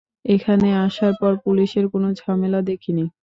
এখানে আসার পর পুলিশের কোন ঝামেলা দেখিনি।